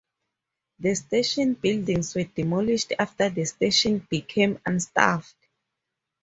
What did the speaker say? The station buildings were demolished after the station became unstaffed.